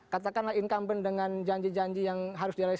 katakanlah incumbent dengan janji janji yang harus direalisasikan